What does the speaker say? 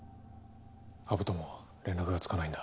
羽生とも連絡がつかないんだ。